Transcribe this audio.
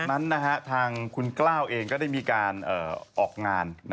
นั้นทางคุณกล้าวเองก็ได้มีการออกงาน